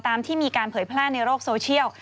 ที่มีการเผยแพร่ในโลกโซเชียล